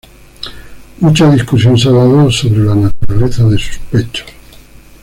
Mucha discusión se ha dado sobre la naturaleza de sus pechos.